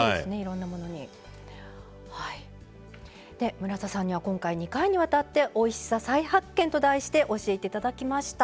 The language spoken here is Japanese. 村田さんには今回２回にわたって「おいしさ再発見！」と題して教えて頂きました。